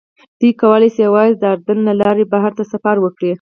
دوی کولی شي یوازې د اردن له لارې بهر ته سفر وکړي.